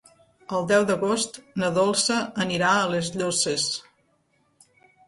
El deu d'agost na Dolça anirà a les Llosses.